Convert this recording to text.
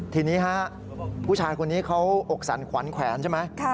ทีนี้ฮะผู้ชายคนนี้เขาอกสั่นขวัญแขวนใช่ไหม